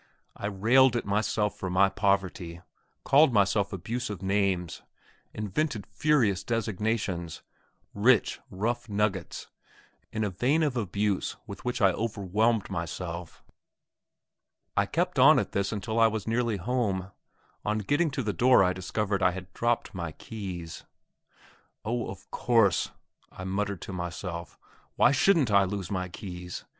I railed at myself for my poverty, called myself abusive names, invented furious designations rich, rough nuggets in a vein of abuse with which I overwhelmed myself. I kept on at this until I was nearly home. On coming to the door I discovered I had dropped my keys. "Oh, of course," I muttered to myself, "why shouldn't I lose my keys?